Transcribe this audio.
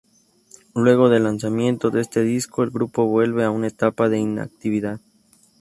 Luego del lanzamiento de este disco, el grupo vuelve a una etapa de inactividad.